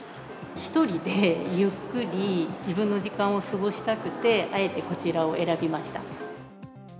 １人でゆっくり自分の時間を過ごしたくて、あえてこちらを選びました。